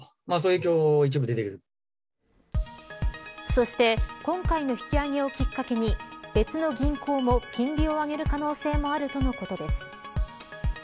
そして今回の引き上げをきっかけに別の銀行も金利を上げる可能性もあるとのことです。